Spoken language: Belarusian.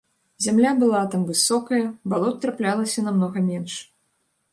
Зямля была там высокая, балот траплялася намнога менш.